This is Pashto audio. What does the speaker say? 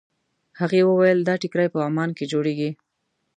هغې وویل دا ټیکري په عمان کې جوړېږي.